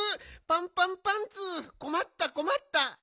パンパンパンツーこまったこまった。